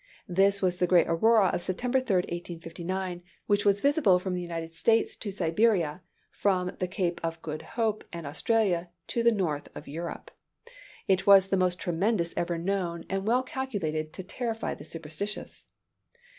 This was the great aurora of September 3, 1859, which was visible from the United States to Siberia, from the Cape of Good Hope and Australia to the north of Europe. It was the most tremendous ever known, and well calculated to terrify the superstitious.